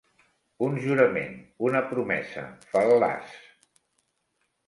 Un jurament, una promesa, fal·laç.